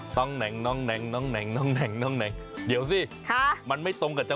ต้องแหน่ง